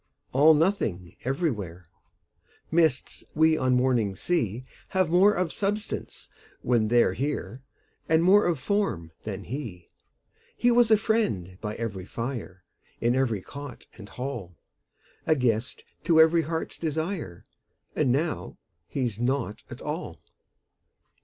All nothing everywhere: Mists we on mornings see Have more of substance when they're here And more of form than he. He was a friend by every fire, In every cot and hall A guest to every heart's desire, And now he's nought at all.